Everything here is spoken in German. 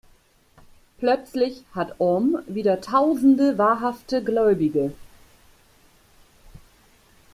Plötzlich hat Om wieder tausende wahrhafte Gläubige.